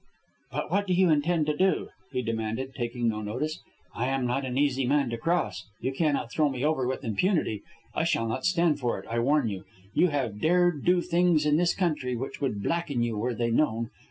"But what do you intend to do?" he demanded, taking no notice. "I am not an easy man to cross. You cannot throw me over with impunity. I shall not stand for it, I warn you. You have dared do things in this country which would blacken you were they known.